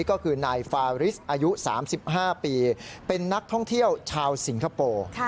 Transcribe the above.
ก็คือนายฟาริสอายุ๓๕ปีเป็นนักท่องเที่ยวชาวสิงคโปร์